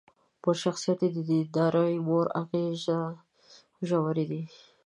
پر شخصيت يې د ديندارې مور اغېزې ژورې دي.